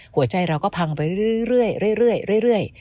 เราก็พังไปเรื่อย